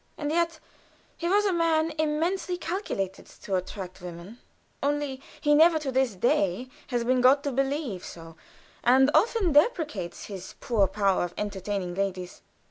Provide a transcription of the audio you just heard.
And yet he was a man eminently calculated to attract women, only he never to this day has been got to believe so, and will often deprecate his poor power of entertaining ladies.